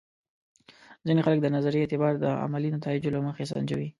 ځینې خلک د نظریې اعتبار د عملي نتایجو له مخې سنجوي.